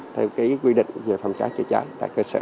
theo quy định về phòng cháy chữa cháy tại cơ sở